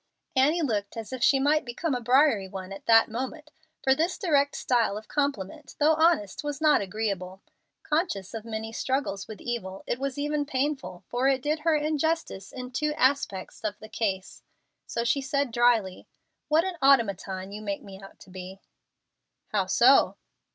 Annie looked as if she might become a briery one at that moment, for this direct style of compliment, though honest, was not agreeable. Conscious of many struggles with evil, it was even painful, for it did her injustice in two aspects of the case. So she said, dryly, "What an automaton you make me out to be!" "How so?"